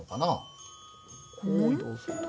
こう移動する時。